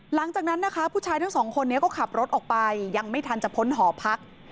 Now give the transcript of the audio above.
หลังจากนั้นนะคะผู้ชายทั้งสองคนนี้ก็ขับรถออกไปยังไม่ทันจะพ้นหอพัก